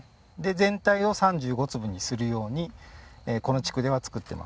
全体を３５粒にするようにこの地区では作ってます。